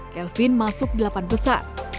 kelvin masuk di lapan besar